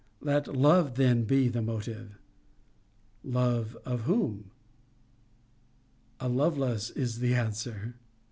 Let LOVE then be the motive: Love of whom? A Lovelace, is the answer.